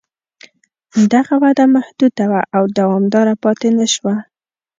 دغه وده محدوده وه او دوامداره پاتې نه شوه